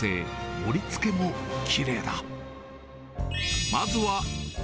盛りつけもきれいだ。